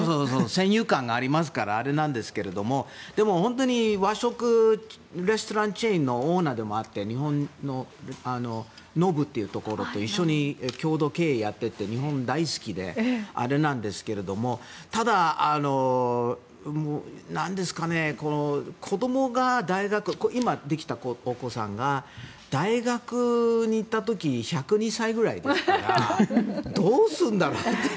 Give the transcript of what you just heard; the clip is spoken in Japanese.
先入観がありますからあれなんですけどでも本当に和食レストランチェーンのオーナーでもあって日本のノブというところと一緒に共同経営をやっていて日本大好きであれなんですけどただ、子どもが大学今できたお子さんが大学に行った時１０２歳ぐらいですからどうするんだろうっていう。